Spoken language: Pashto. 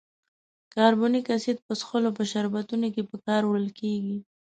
کاربونیک اسید په څښلو په شربتونو کې په کار وړل کیږي.